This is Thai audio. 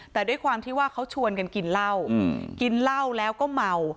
แต่ด้วยความที่ว่าเขาชวนกันกินเหล้ากินเหล้าแล้วก็เมา